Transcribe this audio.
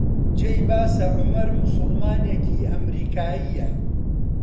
جێی باسە عومەر موسڵمانێکی ئەمریکایییە